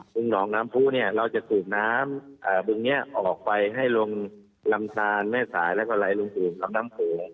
เบื้องนอกน้ำผู้เนี่ยเราจะสูบน้ำเบื้องนี้ออกไปให้ลงลำตาลแม่สายแล้วก็ลายลุงผูกลำน้ำโผ